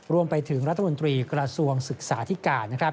รวมไปถึงรัฐมนตรีกระทรวงศึกษาธิการ